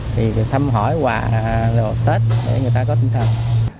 thì thăm hỏi quà tết để người ta có tinh thần